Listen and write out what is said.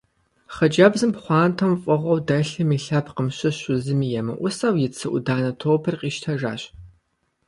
Хъыджэбзым пхъуантэм фӀыгъуэу дэлъым и лъэпкъым щыщу зыми емыӀусэу и цы Ӏуданэ топыр къищтэжащ.